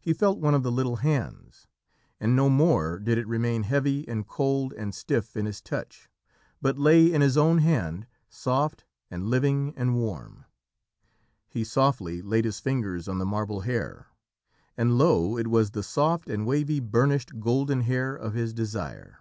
He felt one of the little hands, and no more did it remain heavy and cold and stiff in his touch, but lay in his own hand, soft and living and warm. He softly laid his fingers on the marble hair, and lo, it was the soft and wavy burnished golden hair of his desire.